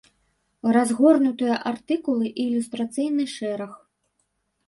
Разгорнутыя артыкулы і ілюстрацыйны шэраг.